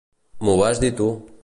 M'ho vas dir tu.